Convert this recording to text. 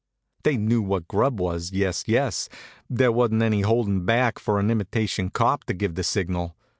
They knew what grub was, yes, yes! There wasn't any holdin' back for an imitation cop to give the signal.